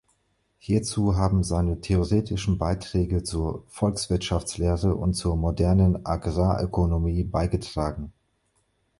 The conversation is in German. Hierzu haben seine theoretischen Beiträge zur Volkswirtschaftslehre und zur modernen Agrarökonomie beigetragen.